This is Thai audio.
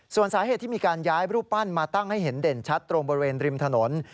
ส่วนสาเหตุที่มีการย้ายรูปปั้นมาตั้งให้เห็นเด่นชัดตรงบริเวณริมถนน